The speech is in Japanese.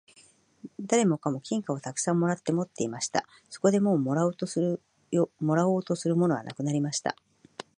誰もかも金貨をたくさん貰って持っていました。そこでもう貰おうとするものはなくなりました。